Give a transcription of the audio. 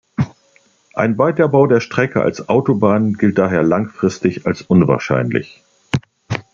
Ein Weiterbau der Strecke als Autobahn gilt daher langfristig als unwahrscheinlich.